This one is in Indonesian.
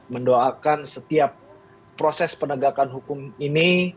mendoakan setiap proses penegakan hukum ini